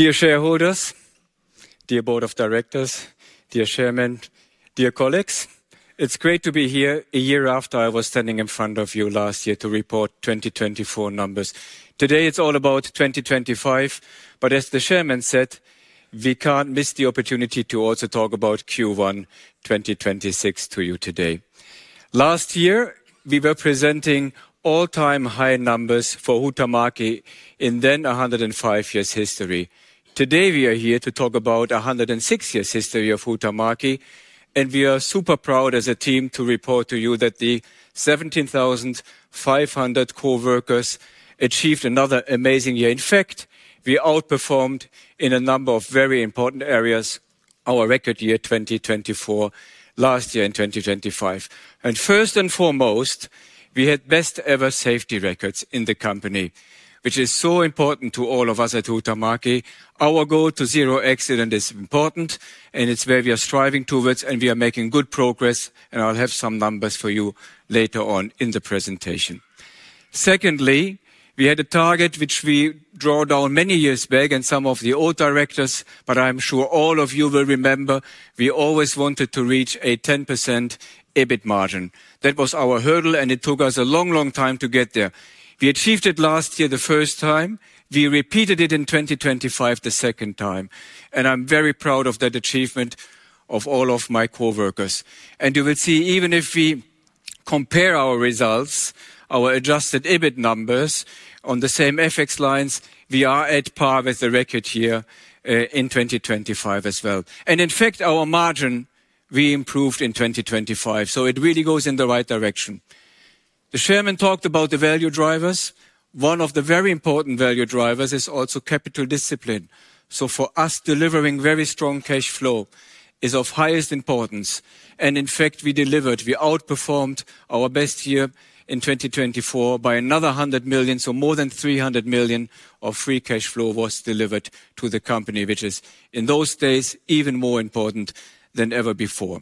Dear shareholders, dear board of directors, dear chairman, dear colleagues. It's great to be here a year after I was standing in front of you last year to report 2024 numbers. Today, it's all about 2025. As the chairman said, we can't miss the opportunity to also talk about Q1 2026 to you today. Last year, we were presenting all-time high numbers for Huhtamäki in then 105 years history. Today, we are here to talk about 106 years history of Huhtamäki, and we are super proud as a team to report to you that the 17,500 coworkers achieved another amazing year. In fact, we outperformed in a number of very important areas our record year 2024 last year in 2025. First and foremost, we had best ever safety records in the company, which is so important to all of us at Huhtamäki. Our goal to zero accident is important, and it's where we are striving towards, and we are making good progress, and I'll have some numbers for you later on in the presentation. Secondly, we had a target which we draw down many years back, and some of the old directors, but I'm sure all of you will remember, we always wanted to reach a 10% EBIT margin. That was our hurdle, and it took us a long time to get there. We achieved it last year, the first time. We repeated it in 2025, the second time, and I'm very proud of that achievement of all of my coworkers. You will see, even if we compare our results, our adjusted EBIT numbers on the same FX lines, we are at par with the record year in 2025 as well. In fact, our margin, we improved in 2025, so it really goes in the right direction. The chairman talked about the value drivers. One of the very important value drivers is also capital discipline. For us, delivering very strong cash flow is of highest importance. In fact, we delivered. We outperformed our best year in 2024 by another 100 million, so more than 300 million of free cash flow was delivered to the company, which is in those days, even more important than ever before.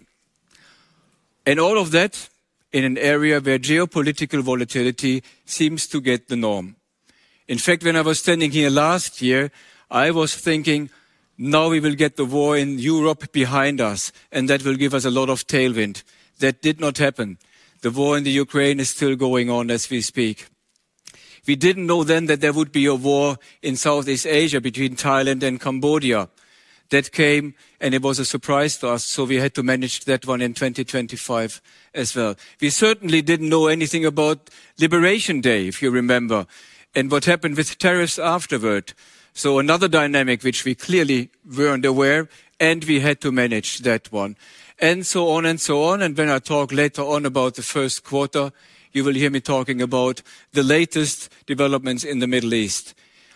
All of that in an area where geopolitical volatility seems to get the norm. In fact, when I was standing here last year, I was thinking, "Now we will get the war in Europe behind us, and that will give us a lot of tailwind." That did not happen. The war in Ukraine is still going on as we speak. We didn't know then that there would be a war in Southeast Asia between Thailand and Cambodia. That came, and it was a surprise to us, so we had to manage that one in 2025 as well. We certainly didn't know anything about Liberation Day, if you remember, and what happened with tariffs afterward. Another dynamic which we clearly weren't aware, and we had to manage that one, and so on. When I talk later on about the first quarter, you will hear me talking about the latest developments in the Middle East.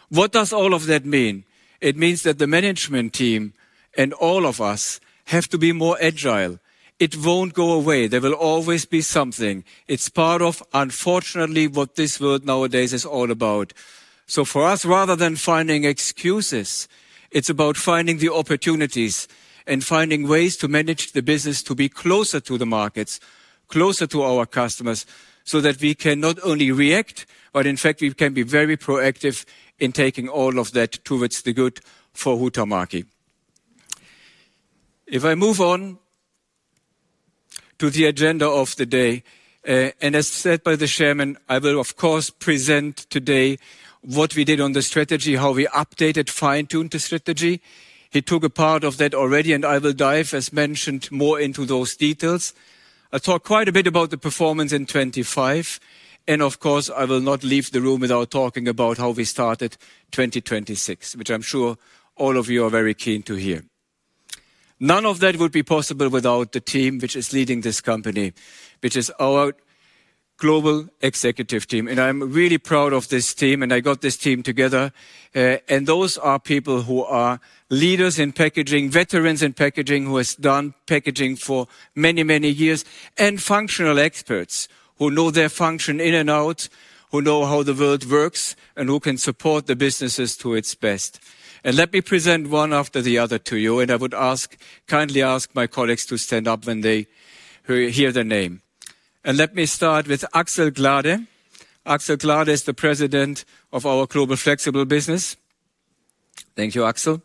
What does all of that mean? It means that the management team and all of us have to be more agile. It won't go away. There will always be something. It's part of, unfortunately, what this world nowadays is all about. For us, rather than finding excuses, it's about finding the opportunities and finding ways to manage the business to be closer to the markets, closer to our customers, so that we can not only react, but in fact we can be very proactive in taking all of that towards the good for Huhtamäki. If I move on to the agenda of the day, as said by the chairman, I will of course present today what we did on the strategy, how we updated, fine-tuned the strategy. He took a part of that already. I will dive, as mentioned, more into those details. I talk quite a bit about the performance in 2025. Of course, I will not leave the room without talking about how we started 2026, which I'm sure all of you are very keen to hear. None of that would be possible without the team which is leading this company, which is our global executive team. I'm really proud of this team. I got this team together. Those are people who are leaders in packaging, veterans in packaging, who has done packaging for many years, functional experts who know their function in and out, who know how the world works, and who can support the businesses to its best. Let me present one after the other to you. I would kindly ask my colleagues to stand up when they hear their name. Let me start with Axel Glade. Axel Glade is the President of our global Flexible Packaging business. Thank you, Axel.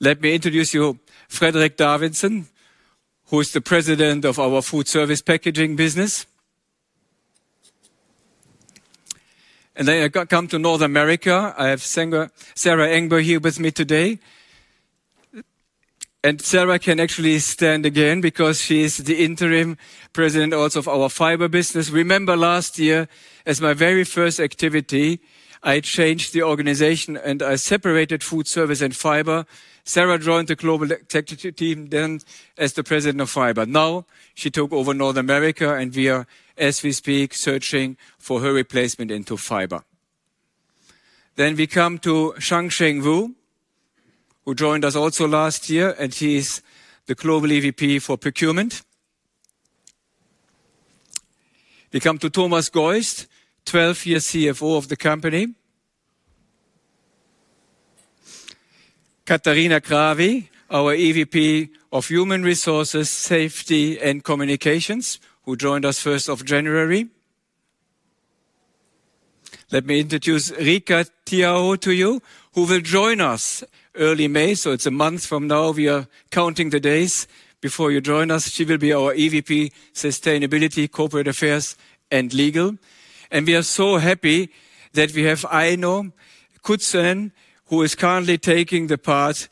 Let me introduce you Fredrik Davidsson, who is the President of our Foodservice Packaging business. Then I come to North America. I have Sara Engber here with me today. Sara can actually stand again because she's the Interim President also of our Fiber business. Remember last year as my very first activity, I changed the organization. I separated Foodservice and Fiber. Sara joined the global executive team then as the President of Fiber. Now she took over North America. We are, as we speak, searching for her replacement into Fiber. We come to Changsheng Wu, who joined us also last year, and he's the global EVP for Procurement. We come to Thomas Geust, 12-year CFO of the company. Katariina Kravi, our EVP of Human Resources, Safety, and Communications, who joined us 1st of January. Let me introduce Riikka Tieaho to you, who will join us early May. It's a month from now. We are counting the days before you join us. She will be our EVP, Sustainability, Corporate Affairs, and Legal. We are so happy that we have Aino Kyytsönen, who is currently taking the path,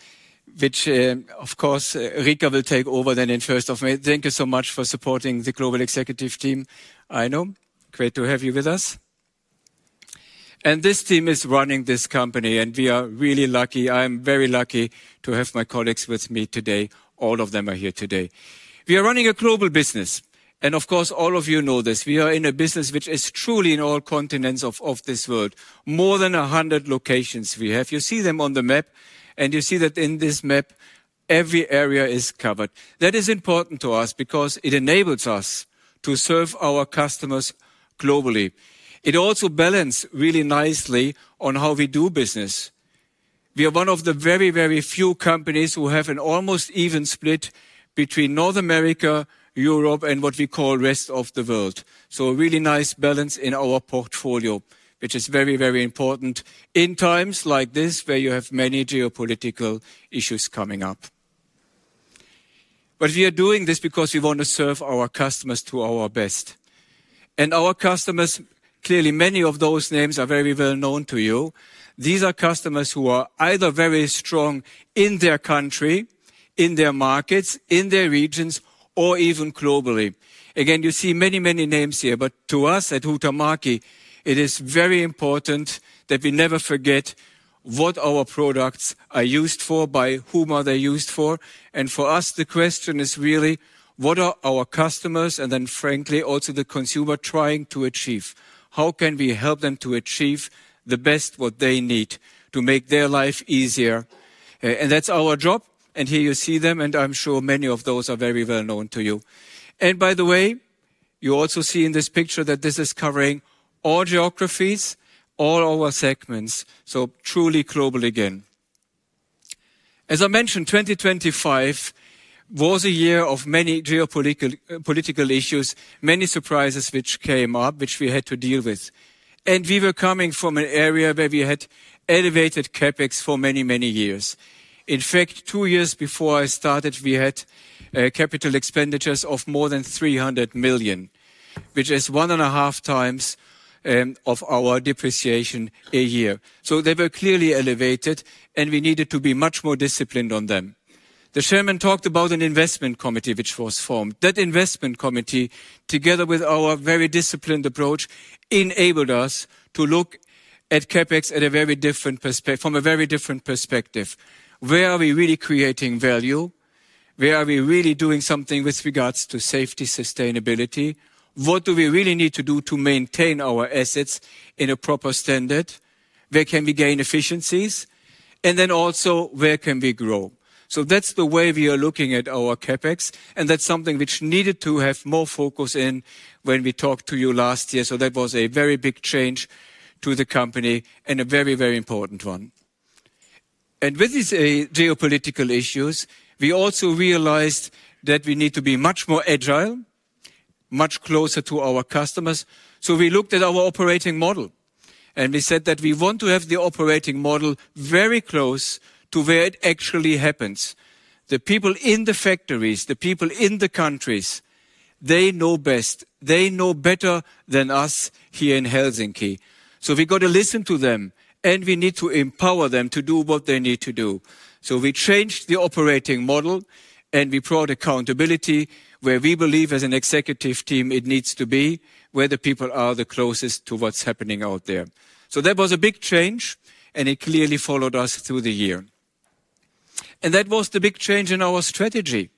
which, of course, Riikka will take over then in 1st of May. Thank you so much for supporting the global executive team, Aino. Great to have you with us. This team is running this company. We are really lucky. I'm very lucky to have my colleagues with me today. All of them are here today. We are running a global business. Of course, all of you know this. We are in a business which is truly in all continents of this world. More than 100 locations we have. You see them on the map. You see that in this map, every area is covered. That is important to us because it enables us to serve our customers globally. It also balance really nicely on how we do business. We are one of the very few companies who have an almost even split between North America, Europe, and what we call rest of the world. A really nice balance in our portfolio, which is very important in times like this where you have many geopolitical issues coming up. We are doing this because we want to serve our customers to our best. Our customers, clearly many of those names are very well known to you. These are customers who are either very strong in their country, in their markets, in their regions, or even globally. Again, you see many names here, to us at Huhtamäki, it is very important that we never forget what our products are used for, by whom are they used for, and for us, the question is really, what are our customers and frankly, also the consumer trying to achieve? How can we help them to achieve the best what they need to make their life easier? That's our job, here you see them, I'm sure many of those are very well known to you. By the way, you also see in this picture that this is covering all geographies, all our segments. Truly global again. As I mentioned, 2025 was a year of many geopolitical issues, many surprises which came up, which we had to deal with. We were coming from an area where we had elevated CapEx for many years. In fact, two years before I started, we had Capital Expenditure of more than 300 million, which is one and a half times of our depreciation a year. They were clearly elevated, we needed to be much more disciplined on them. The chairman talked about an investment committee which was formed. That investment committee, together with our very disciplined approach, enabled us to look at CapEx from a very different perspective. Where are we really creating value? Where are we really doing something with regards to safety, sustainability? What do we really need to do to maintain our assets in a proper standard? Where can we gain efficiencies? Also, where can we grow? That's the way we are looking at our CapEx, that's something which needed to have more focus in when we talked to you last year. That was a very big change to the company and a very important one. With these geopolitical issues, we also realized that we need to be much more agile, much closer to our customers. We looked at our operating model, we said that we want to have the operating model very close to where it actually happens. The people in the factories, the people in the countries, they know best. They know better than us here in Helsinki. We got to listen to them, we need to empower them to do what they need to do. We changed the operating model, we brought accountability where we believe as an executive team it needs to be, where the people are the closest to what's happening out there. That was a big change, it clearly followed us through the year. That was the big change in our strategy.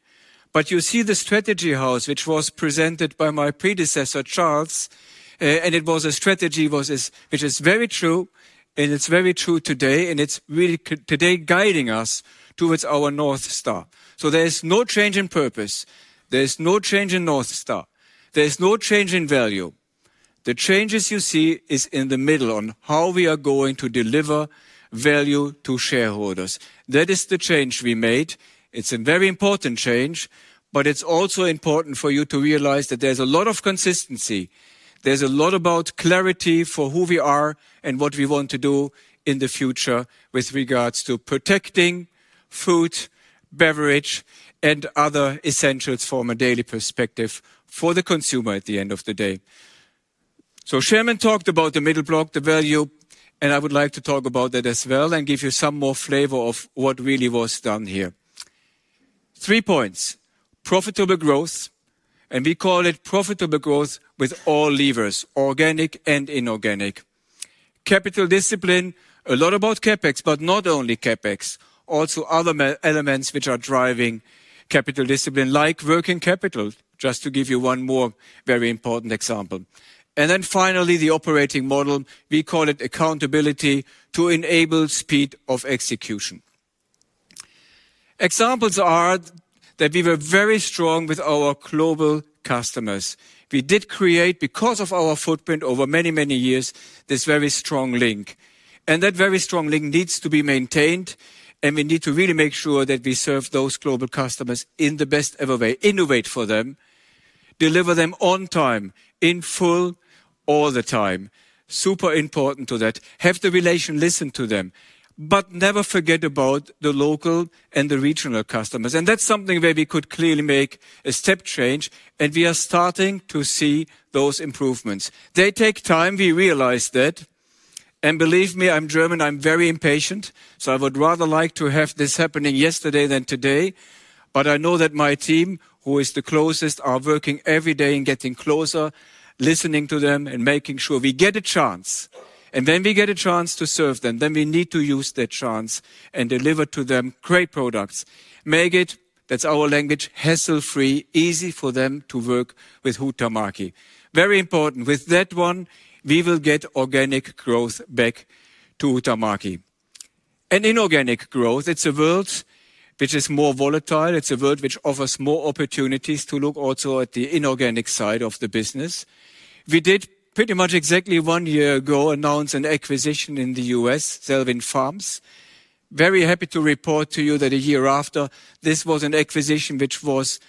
You see the strategy house, which was presented by my predecessor, Charles. It was a strategy which is very true. It's very true today, and it's really today guiding us towards our North Star. There is no change in purpose, there is no change in North Star, there is no change in value. The changes you see is in the middle on how we are going to deliver value to shareholders. That is the change we made. It's a very important change, but it's also important for you to realize that there is a lot of consistency. There is a lot about clarity for who we are and what we want to do in the future with regards to protecting food, beverage, and other essentials from a daily perspective for the consumer at the end of the day. Chairman talked about the middle block, the value, and I would like to talk about that as well and give you some more flavor of what really was done here. Three points: profitable growth, and we call it profitable growth with all levers, organic and inorganic. Capital discipline, a lot about CapEx, but not only CapEx, also other elements which are driving capital discipline, like working capital, just to give you one more very important example. Then finally, the operating model. We call it accountability to enable speed of execution. Examples are that we were very strong with our global customers. We did create, because of our footprint over many, many years, this very strong link. That very strong link needs to be maintained, and we need to really make sure that we serve those global customers in the best ever way. Innovate for them. Deliver them on time, in full, all the time. Super important to that. Have the relation. Listen to them. But never forget about the local and the regional customers. That's something where we could clearly make a step change, and we are starting to see those improvements. They take time, we realize that. Believe me, I'm German, I'm very impatient, so I would rather like to have this happening yesterday than today. But I know that my team, who is the closest, are working every day and getting closer, listening to them and making sure we get a chance. When we get a chance to serve them, then we need to use that chance and deliver to them great products. Make it, that's our language, hassle-free, easy for them to work with Huhtamäki. Very important. With that one, we will get organic growth back to Huhtamäki. Inorganic growth, it's a world which is more volatile. It's a world which offers more opportunities to look also at the inorganic side of the business. We did pretty much exactly one year ago announce an acquisition in the U.S., Zellwin Farms. Very happy to report to you that a year after, this was an acquisition which was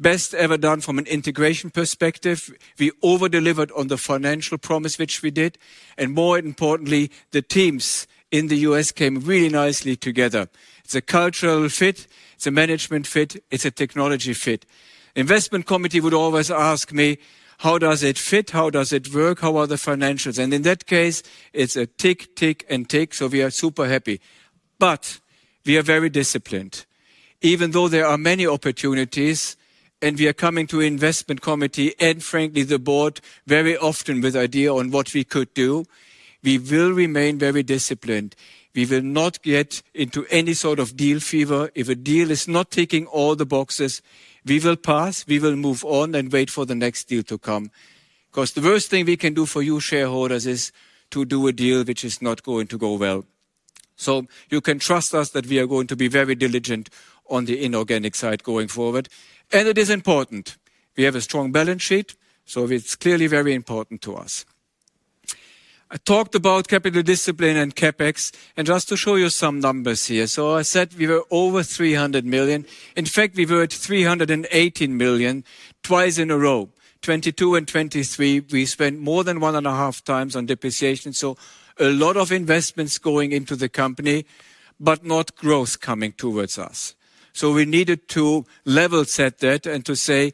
best ever done from an integration perspective. We over-delivered on the financial promise which we did. More importantly, the teams in the U.S. came really nicely together. It's a cultural fit. It's a management fit. It's a technology fit. Investment Committee would always ask me, "How does it fit? How does it work? How are the financials?" In that case, it's a tick, and tick, so we are super happy. But we are very disciplined. Even though there are many opportunities and we are coming to investment committee and frankly the board very often with idea on what we could do, we will remain very disciplined. We will not get into any sort of deal fever. If a deal is not ticking all the boxes, we will pass, we will move on and wait for the next deal to come. Because the worst thing we can do for you shareholders is to do a deal which is not going to go well. You can trust us that we are going to be very diligent on the inorganic side going forward. It is important. We have a strong balance sheet, so it's clearly very important to us. I talked about capital discipline and CapEx. Just to show you some numbers here. I said we were over 300 million. In fact, we were at 318 million twice in a row. 2022 and 2023, we spent more than one and a half times on depreciation. A lot of investments going into the company, but not growth coming towards us. We needed to level set that and to say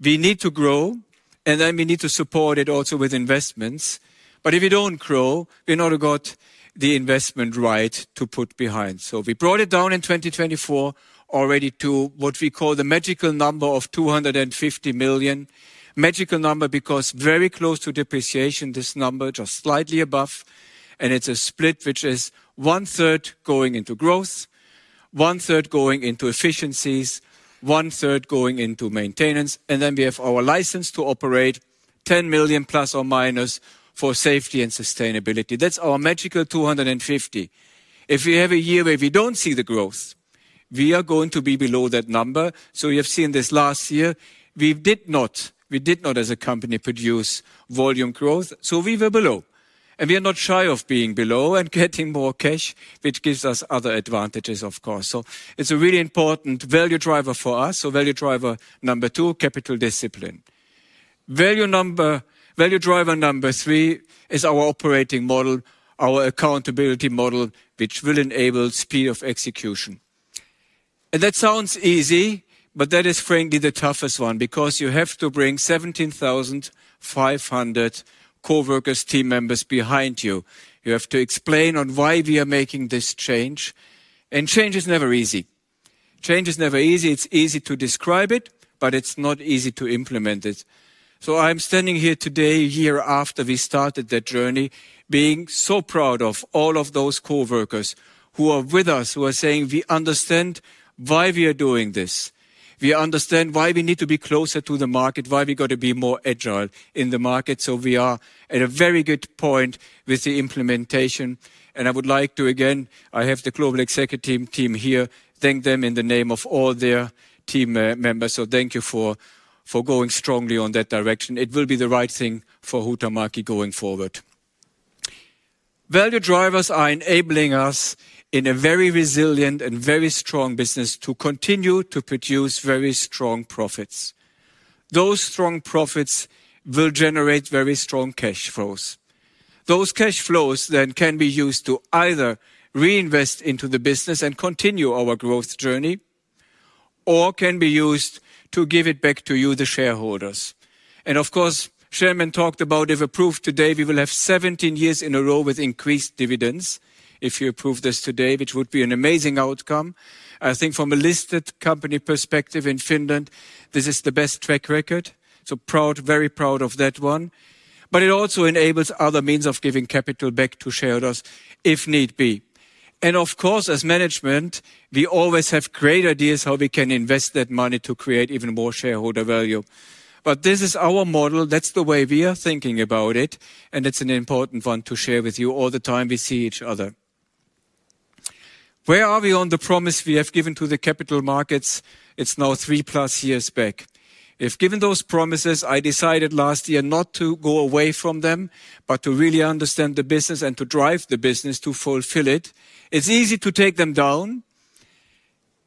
we need to grow, and then we need to support it also with investments. But if we don't grow, we not have got the investment right to put behind. We brought it down in 2024 already to what we call the magical number of 250 million. Magical number because very close to depreciation, this number. Just slightly above. It's a split which is one third going into growth, one third going into efficiencies, one third going into maintenance, and then we have our license to operate, 10 million plus or minus for safety and sustainability. That's our magical 250. If we have a year where we don't see the growth, we are going to be below that number. You have seen this last year. We did not as a company produce volume growth, so we were below. We are not shy of being below and getting more cash, which gives us other advantages, of course. It's a really important value driver for us. Value driver number two, capital discipline. Value driver number three is our operating model, our accountability model, which will enable speed of execution. That sounds easy, but that is frankly the toughest one because you have to bring 17,500 coworkers, team members behind you. You have to explain on why we are making this change. Change is never easy. Change is never easy. It's easy to describe it, but it's not easy to implement it. I'm standing here today, a year after we started that journey, being so proud of all of those coworkers who are with us, who are saying, "We understand why we are doing this. We understand why we need to be closer to the market, why we got to be more agile in the market." We are at a very good point with the implementation, and I would like to again, I have the global Executive Team here, thank them in the name of all their team members. Thank you for going strongly on that direction. It will be the right thing for Huhtamäki going forward. Value drivers are enabling us in a very resilient and very strong business to continue to produce very strong profits. Those strong profits will generate very strong cash flows. Those cash flows can be used to either reinvest into the business and continue our growth journey or can be used to give it back to you, the shareholders. Of course, chairman talked about if approved today, we will have 17 years in a row with increased dividends. If you approve this today, which would be an amazing outcome. I think from a listed company perspective in Finland, this is the best track record. Proud, very proud of that one. It also enables other means of giving capital back to shareholders if need be. Of course, as management, we always have great ideas how we can invest that money to create even more shareholder value. This is our model. That's the way we are thinking about it, and it's an important one to share with you all the time we see each other. Where are we on the promise we have given to the capital markets? It's now three-plus years back. If given those promises, I decided last year not to go away from them, but to really understand the business and to drive the business to fulfill it. It's easy to take them down.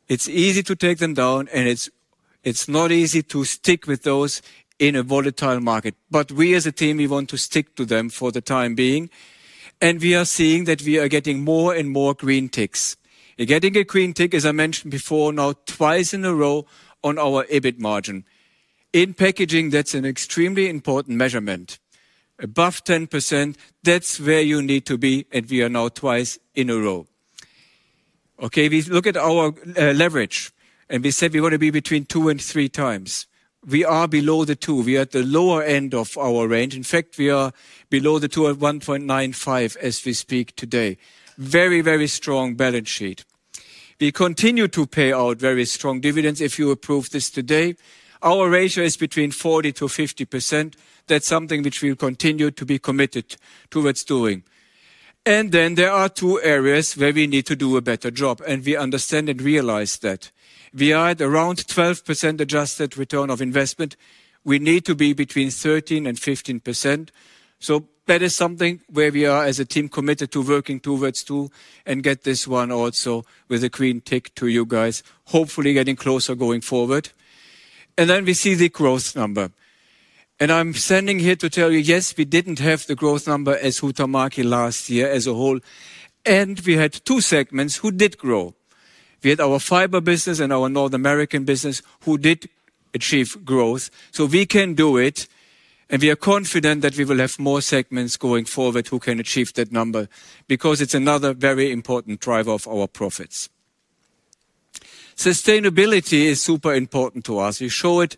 It's easy to take them down, and it's not easy to stick with those in a volatile market. We as a team, we want to stick to them for the time being, and we are seeing that we are getting more and more green ticks. Getting a green tick, as I mentioned before, now twice in a row on our EBIT margin. In packaging, that's an extremely important measurement. Above 10%, that's where you need to be, and we are now twice in a row. We look at our leverage, and we said we want to be between two and three times. We are below the two. We are at the lower end of our range. In fact, we are below the two at 1.95 as we speak today. Very strong balance sheet. We continue to pay out very strong dividends if you approve this today. Our ratio is between 40%-50%. That's something which we will continue to be committed towards doing. There are two areas where we need to do a better job, and we understand and realize that. We are at around 12% adjusted return of investment. We need to be between 13%-15%. That is something where we are, as a team, committed to working towards to, and get this one also with a green tick to you guys, hopefully getting closer going forward. We see the growth number. I'm standing here to tell you, yes, we didn't have the growth number as Huhtamäki last year as a whole, and we had two segments who did grow. We had our Fiber business and our North American business who did achieve growth. We can do it, and we are confident that we will have more segments going forward who can achieve that number, because it's another very important driver of our profits. Sustainability is super important to us. We showed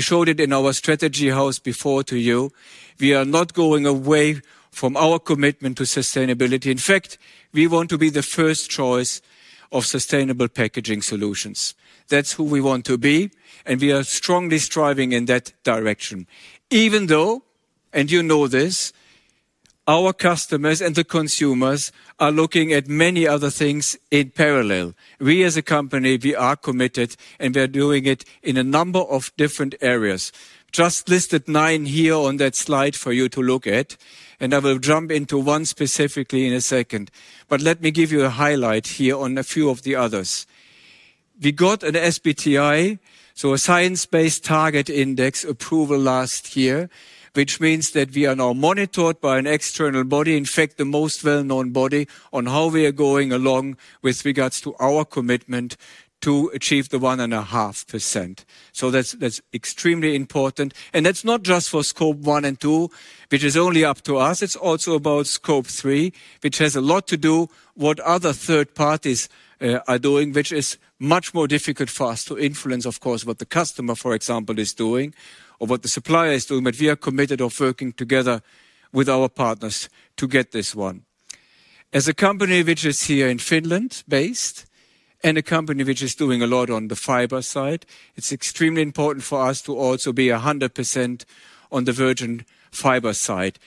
it in our strategy house before to you. We are not going away from our commitment to Sustainability. In fact, we want to be the first choice of sustainable packaging solutions. That's who we want to be. We are strongly striving in that direction. Even though, and you know this, our customers and the consumers are looking at many other things in parallel. We as a company, we are committed, and we are doing it in a number of different areas. Just listed 9 here on that slide for you to look at. I will jump into 1 specifically in a second. Let me give you a highlight here on a few of the others. We got an SBTi, so a Science Based Targets initiative approval last year, which means that we are now monitored by an external body, in fact, the most well-known body, on how we are going along with regards to our commitment to achieve the 1.5%. That's extremely important. That's not just for Scope 1 and 2, which is only up to us. It's also about Scope 3, which has a lot to do what other third parties are doing, which is much more difficult for us to influence, of course, what the customer, for example, is doing or what the supplier is doing. We are committed of working together with our partners to get this 1. As a company which is here in Finland based and a company which is doing a lot on the fiber side, it's extremely important for us to also be 100% on the virgin fiber side.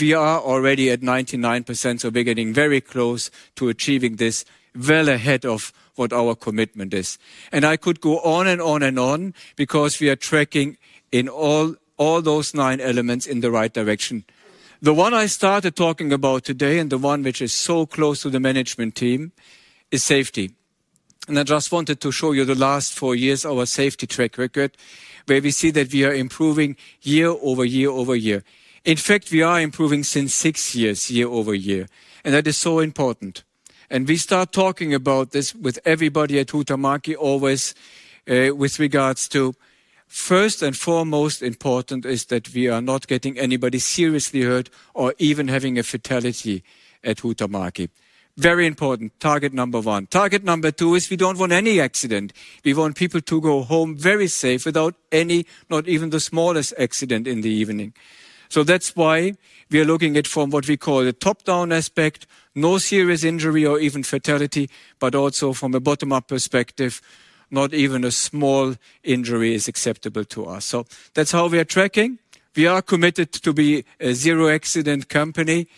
We are already at 99%, so we're getting very close to achieving this well ahead of what our commitment is. I could go on and on, because we are tracking in all those 9 elements in the right direction. The 1 I started talking about today, and the 1 which is so close to the management team, is safety. I just wanted to show you the last 4 years, our safety track record, where we see that we are improving year over year over year. In fact, we are improving since 6 years year over year, and that is so important. We start talking about this with everybody at Huhtamäki always, with regards to first and foremost important is that we are not getting anybody seriously hurt or even having a fatality at Huhtamäki. Very important. Target number 1. Target number 2 is we don't want any accident. We want people to go home very safe without any, not even the smallest accident in the evening. That's why we are looking at from what we call a top-down aspect, no serious injury or even fatality, but also from a bottom-up perspective, not even a small injury is acceptable to us. That's how we are tracking. We are committed to be a zero-accident company,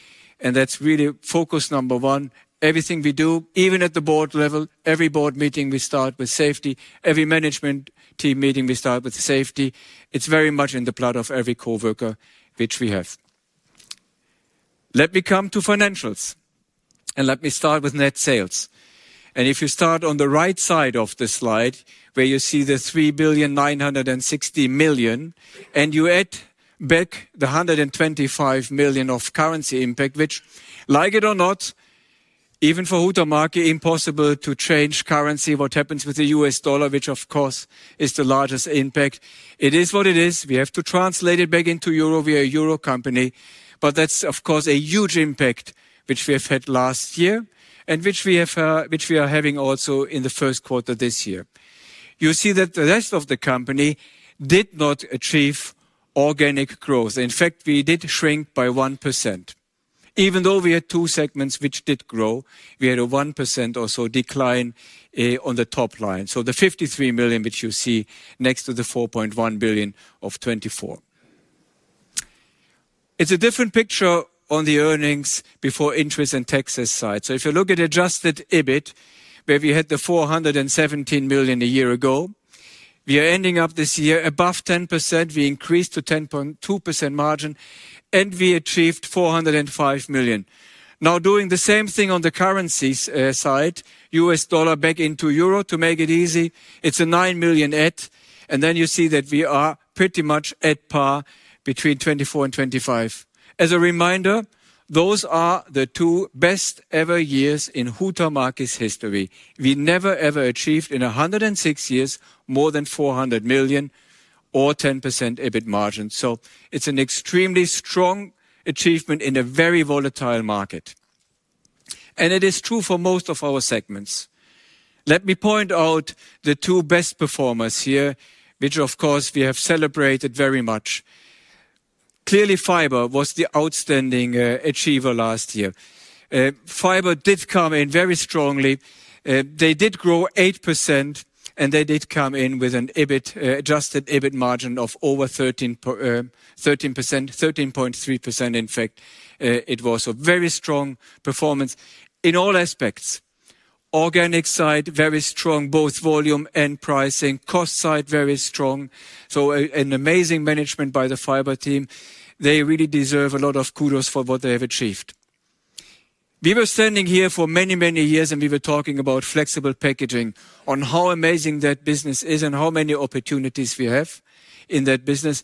and that's really focus number 1. Everything we do, even at the board level, every board meeting, we start with safety. Every management team meeting, we start with safety. It's very much in the blood of every coworker which we have. Let me come to financials, and let me start with net sales. If you start on the right side of the slide, where you see the 3,960,000,000 and you add back the 125 million of currency impact, which, like it or not, even for Huhtamäki, impossible to change currency. What happens with the US dollar, which, of course, is the largest impact. It is what it is. We have to translate it back into EUR. We are a EUR company. That's, of course, a huge impact which we have had last year and which we are having also in the first quarter this year. You see that the rest of the company did not achieve organic growth. In fact, we did shrink by 1%. Even though we had two segments which did grow, we had a 1% or so decline on the top line. The 53 million, which you see next to the 4.1 billion of 2024. It's a different picture on the EBIT side. If you look at adjusted EBIT, where we had the 417 million a year ago, we are ending up this year above 10%, we increased to 10.2% margin, and we achieved 405 million. Doing the same thing on the currencies side, US dollar back into EUR to make it easy, it's a 9 million add, you see that we are pretty much at par between 2024 and 2025. As a reminder, those are the two best ever years in Huhtamäki's history. We never ever achieved in 106 years more than 400 million or 10% EBIT margin. It's an extremely strong achievement in a very volatile market. It is true for most of our segments. Let me point out the two best performers here, which of course, we have celebrated very much. Clearly, Fiber was the outstanding achiever last year. Fiber did come in very strongly. They did grow 8%, and they did come in with an adjusted EBIT margin of over 13%. 13.3%, in fact. It was a very strong performance in all aspects. Organic side, very strong, both volume and pricing. Cost side, very strong. An amazing management by the Fiber team. They really deserve a lot of kudos for what they have achieved. We were standing here for many, many years and we were talking about Flexible Packaging, on how amazing that business is and how many opportunities we have in that business,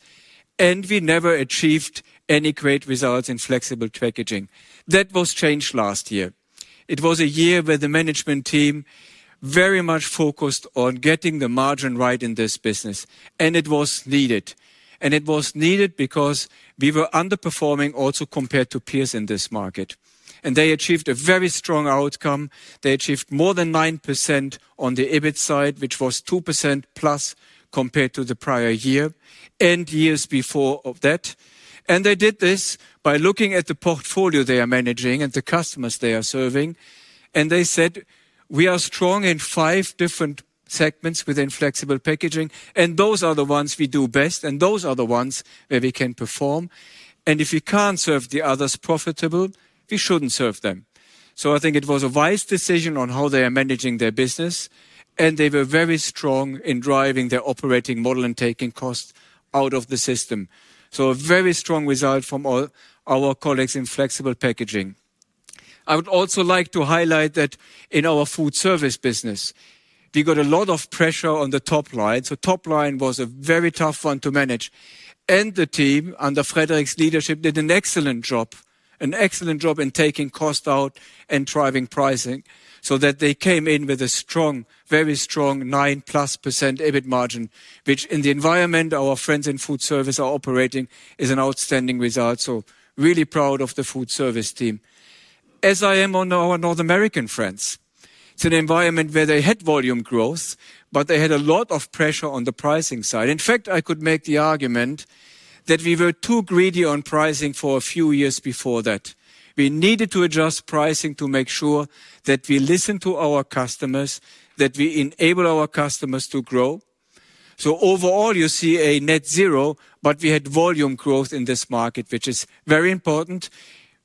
and we never achieved any great results in Flexible Packaging. That was changed last year. It was a year where the management team very much focused on getting the margin right in this business, and it was needed. It was needed because we were underperforming also compared to peers in this market. They achieved a very strong outcome. They achieved more than 9% on the EBIT side, which was 2% plus compared to the prior year and years before that. They did this by looking at the portfolio they are managing and the customers they are serving, and they said, "We are strong in five different segments within Flexible Packaging, and those are the ones we do best, and those are the ones where we can perform. If we can't serve the others profitable, we shouldn't serve them." I think it was a wise decision on how they are managing their business, and they were very strong in driving their operating model and taking costs out of the system. A very strong result from all our colleagues in Flexible Packaging. I would also like to highlight that in our Foodservice business, we got a lot of pressure on the top line. Top line was a very tough one to manage. The team, under Fredrik's leadership, did an excellent job, an excellent job in taking cost out and driving pricing so that they came in with a very strong 9-plus % EBIT margin, which in the environment our friends in Foodservice are operating is an outstanding result. Really proud of the Foodservice team. As I am on our North American friends. It's an environment where they had volume growth, but they had a lot of pressure on the pricing side. In fact, I could make the argument that we were too greedy on pricing for a few years before that. We needed to adjust pricing to make sure that we listen to our customers, that we enable our customers to grow. Overall, you see a net zero, but we had volume growth in this market, which is very important.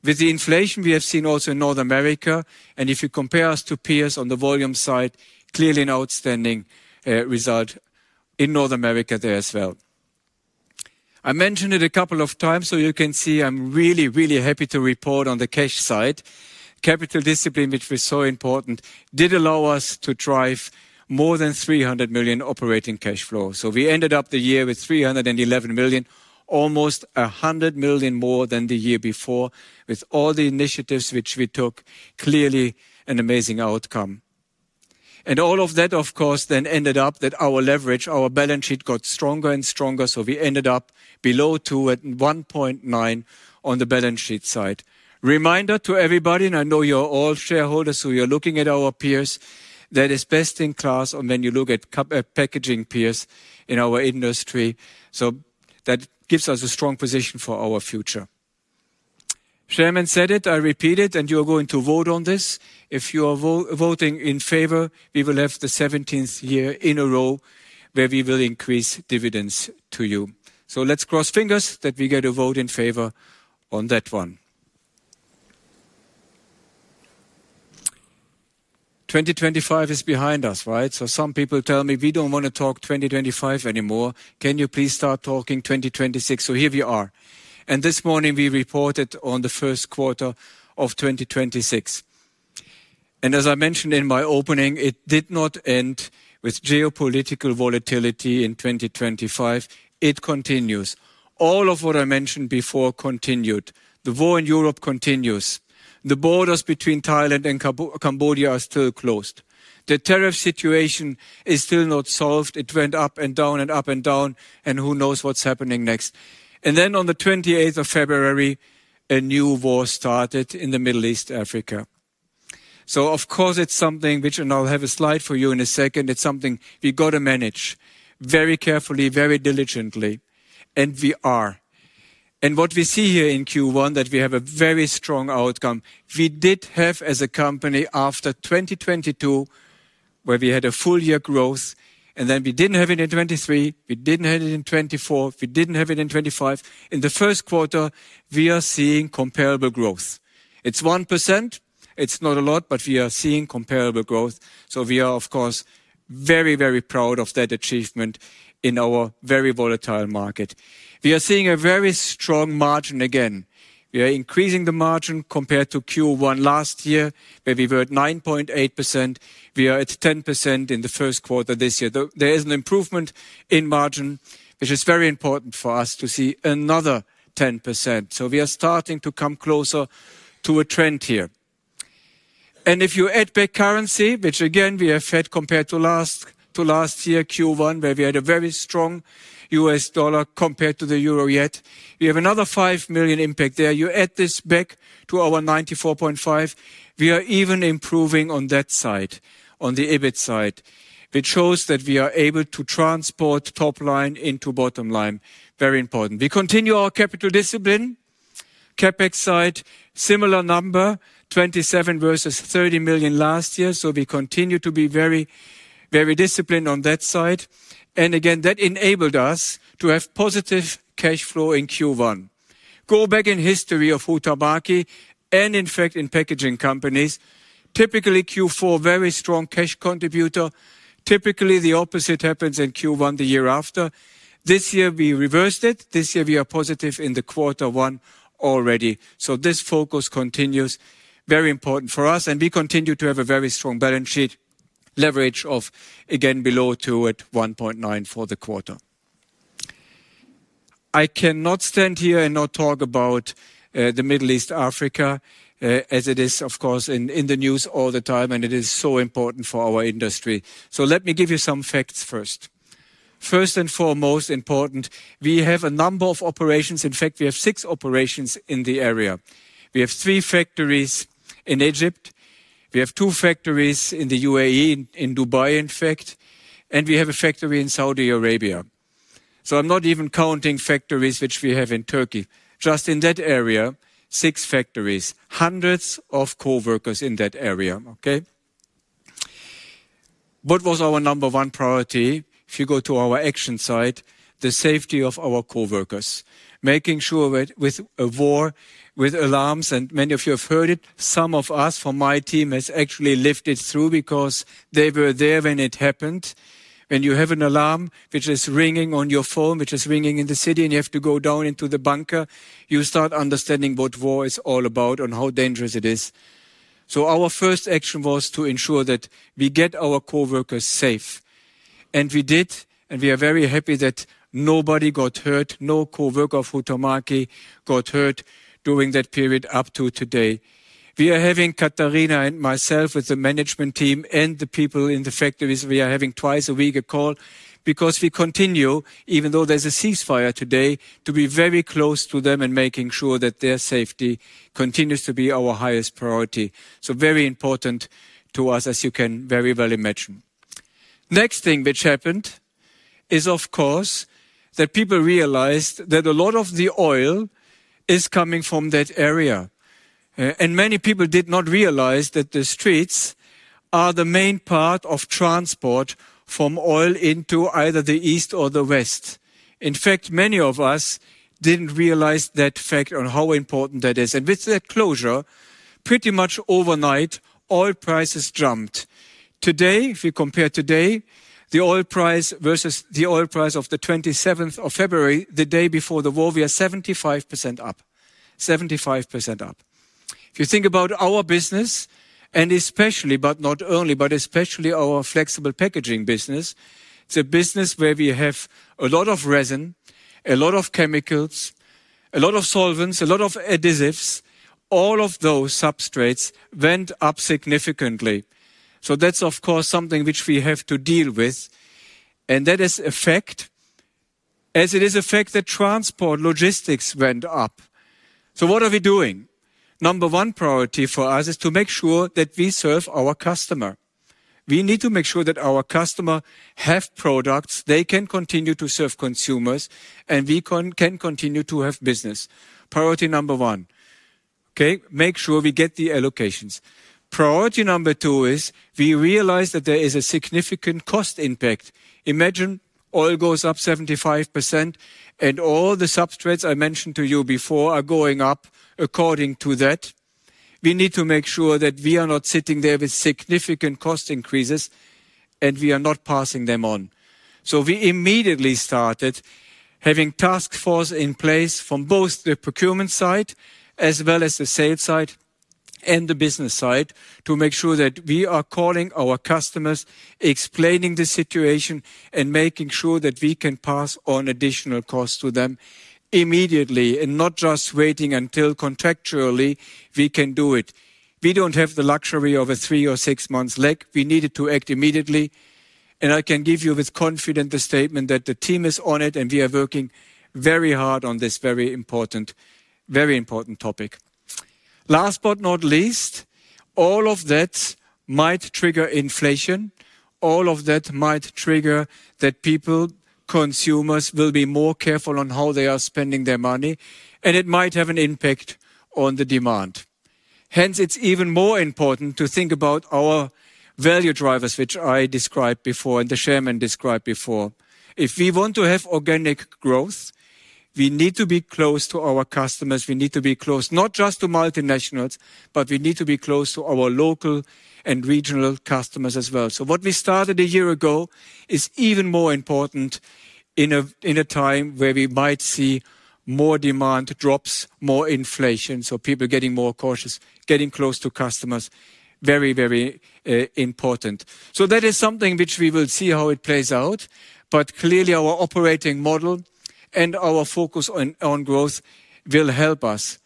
With the inflation we have seen also in North America, and if you compare us to peers on the volume side, clearly an outstanding result in North America there as well. I mentioned it a couple of times, so you can see I'm really, really happy to report on the cash side. Capital discipline, which was so important, did allow us to drive more than 300 million operating cash flow. We ended up the year with 311 million, almost 100 million more than the year before, with all the initiatives which we took, clearly an amazing outcome. All of that, of course, then ended up that our leverage, our balance sheet got stronger and stronger. We ended up below 2 at 1.9 on the balance sheet side. Reminder to everybody, and I know you're all shareholders, so you're looking at our peers, that is best-in-class and when you look at packaging peers in our industry. That gives us a strong position for our future. Chairman said it, I repeat it, you are going to vote on this. If you are voting in favor, we will have the 17th year in a row where we will increase dividends to you. Let's cross fingers that we get a vote in favor on that one. 2025 is behind us, right? Some people tell me, "We don't want to talk 2025 anymore. Can you please start talking 2026?" Here we are. This morning, we reported on the first quarter of 2026. As I mentioned in my opening, it did not end with geopolitical volatility in 2025. It continues. All of what I mentioned before continued. The war in Europe continues. The borders between Thailand and Cambodia are still closed. The tariff situation is still not solved. It went up and down and up and down, and who knows what's happening next. Then on the 28th of February, a new war started in the Middle East, Africa. Of course, it's something which, and I'll have a slide for you in a second, it's something we got to manage very carefully, very diligently, and we are. What we see here in Q1, that we have a very strong outcome. We did have, as a company, after 2022, where we had a full year growth. Then we didn't have it in 2023, we didn't have it in 2024, we didn't have it in 2025. In the first quarter, we are seeing comparable growth. It's 1%. It's not a lot, but we are seeing comparable growth. We are, of course, very proud of that achievement in our very volatile market. We are seeing a very strong margin again. We are increasing the margin compared to Q1 last year, where we were at 9.8%. We are at 10% in the first quarter this year. There is an improvement in margin, which is very important for us to see another 10%. We are starting to come closer to a trend here. If you add back currency, which again, we have had compared to last year Q1, where we had a very strong US dollar compared to the euro. Yet, we have another 5 million impact there. You add this back to our 94.5 million, we are even improving on that side, on the EBIT side, which shows that we are able to transport top line into bottom line. Very important. We continue our capital discipline. CapEx side, similar number, 27 million versus 30 million last year. We continue to be very disciplined on that side. Again, that enabled us to have positive cash flow in Q1. Go back in history of Huhtamäki and, in fact, in packaging companies, typically Q4, very strong cash contributor. Typically, the opposite happens in Q1 the year after. This year, we reversed it. This year, we are positive in the quarter one already. This focus continues. Very important for us, and we continue to have a very strong balance sheet leverage of, again, below two at 1.9 for the quarter. I cannot stand here and not talk about the Middle East, Africa, as it is, of course, in the news all the time, and it is so important for our industry. Let me give you some facts first. First and foremost important, we have a number of operations. In fact, we have six operations in the area. We have three factories in Egypt. We have two factories in the UAE, in Dubai, in fact. We have a factory in Saudi Arabia. I'm not even counting factories which we have in Turkey. Just in that area, six factories, hundreds of coworkers in that area. Okay? What was our number one priority? If you go to our action side, the safety of our coworkers. Making sure with a war, with alarms. Many of you have heard it, some of us from my team has actually lived it through because they were there when it happened. When you have an alarm which is ringing on your phone, which is ringing in the city, and you have to go down into the bunker, you start understanding what war is all about and how dangerous it is. Our first action was to ensure that we get our coworkers safe. We did, and we are very happy that nobody got hurt, no coworker of Huhtamäki got hurt during that period up to today. We are having Katariina and myself with the management team and the people in the factories, we are having twice a week a call because we continue, even though there's a ceasefire today, to be very close to them and making sure that their safety continues to be our highest priority. Very important to us, as you can very well imagine. Next thing which happened is, of course, that people realized that a lot of the oil is coming from that area. Many people did not realize that the straits are the main part of transport from oil into either the east or the west. In fact, many of us didn't realize that fact or how important that is. With that closure, pretty much overnight, oil prices jumped. Today, if you compare today, the oil price versus the oil price of the 27th of February, the day before the war, we are 75% up. If you think about our business, and especially, but not only, but especially our Flexible Packaging business, it's a business where we have a lot of resin, a lot of chemicals, a lot of solvents, a lot of adhesives. All of those substrates went up significantly. That's, of course, something which we have to deal with, and that is a fact, as it is a fact that transport logistics went up. What are we doing? Number one priority for us is to make sure that we serve our customer. We need to make sure that our customer have products, they can continue to serve consumers, and we can continue to have business. Priority number one. Okay? Make sure we get the allocations. Priority number two is we realize that there is a significant cost impact. Imagine oil goes up 75% and all the substrates I mentioned to you before are going up according to that. We need to make sure that we are not sitting there with significant cost increases, and we are not passing them on. We immediately started having task force in place from both the procurement side as well as the sales side and the business side to make sure that we are calling our customers, explaining the situation, and making sure that we can pass on additional costs to them immediately and not just waiting until contractually we can do it. We don't have the luxury of a three or six months lag. We needed to act immediately, and I can give you with confident the statement that the team is on it, and we are working very hard on this very important topic. Last but not least, all of that might trigger inflation. All of that might trigger that Consumers will be more careful on how they are spending their money, and it might have an impact on the demand. Hence, it's even more important to think about our value drivers, which I described before and the chairman described before. If we want to have organic growth, we need to be close to our customers. We need to be close not just to multinationals, but we need to be close to our local and regional customers as well. What we started a year ago is even more important in a time where we might see more demand drops, more inflation. People are getting more cautious, getting close to customers, very important. That is something which we will see how it plays out. Clearly, our operating model and our focus on growth will help us,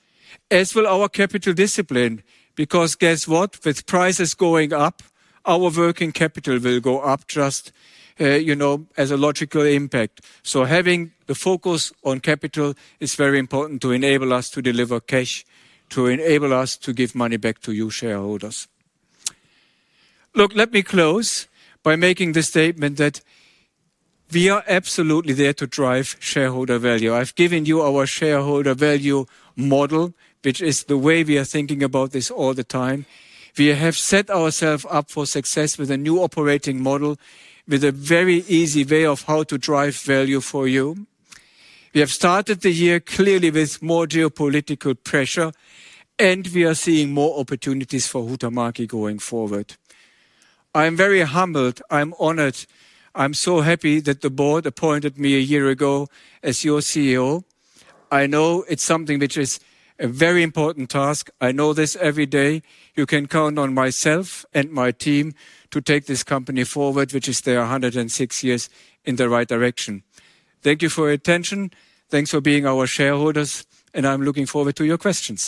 as will our capital discipline. Guess what? With prices going up, our working capital will go up just as a logical impact. Having the focus on capital is very important to enable us to deliver cash, to enable us to give money back to you shareholders. Look, let me close by making the statement that we are absolutely there to drive shareholder value. I've given you our shareholder value model, which is the way we are thinking about this all the time. We have set ourselves up for success with a new operating model, with a very easy way of how to drive value for you. We have started the year clearly with more geopolitical pressure, and we are seeing more opportunities for Huhtamäki going forward. I'm very humbled. I'm honored. I'm so happy that the board appointed me a year ago as your CEO. I know it's something which is a very important task. I know this every day. You can count on myself and my team to take this company forward, which is there 106 years, in the right direction. Thank you for your attention. Thanks for being our shareholders, and I'm looking forward to your questions.